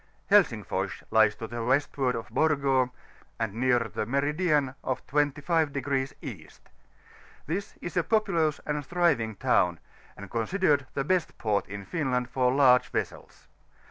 HSXiSIH or O&S lies to the westward of Borgo, and near the meridian of 25° East : this is a populous and thriving town, and considered the best port in Finland for large vessels.